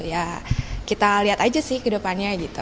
ya kita lihat aja sih ke depannya gitu